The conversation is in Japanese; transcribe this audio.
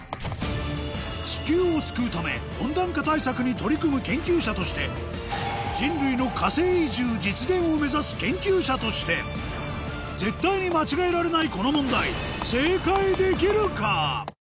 地球を救うため温暖化対策に取り組む研究者として人類の火星移住実現を目指す研究者として絶対に間違えられない